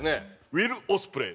ウィル・オスプレイ。